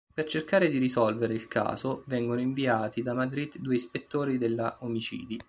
Per cercare di risolvere il caso, vengono inviati da Madrid due ispettori della omicidi.